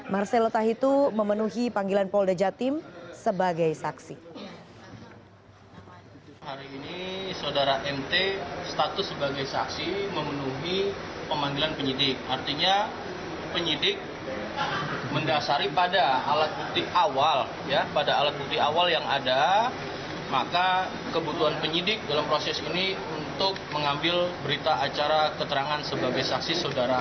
marcelo tahitu memenuhi panggilan polda jatim sebagai saksi